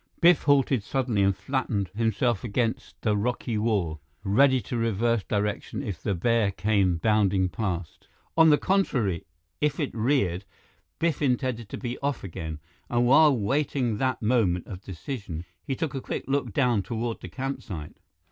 Biff halted suddenly and flattened himself against the rocky wall, ready to reverse direction if the bear came bounding past. On the contrary, if it reared, Biff intended to be off again; and while waiting that moment of decision, he took a quick look down toward the campsite.